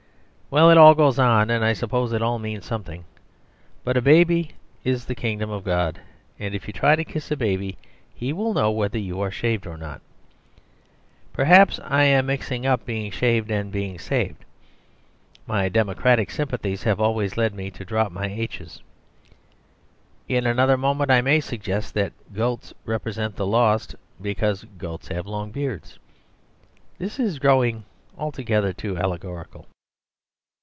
"Well, it all goes on, and I suppose it all means something. But a baby is the Kingdom of God, and if you try to kiss a baby he will know whether you are shaved or not. Perhaps I am mixing up being shaved and being saved; my democratic sympathies have always led me to drop my 'h's.' In another moment I may suggest that goats represent the lost because goats have long beards. This is growing altogether too allegorical.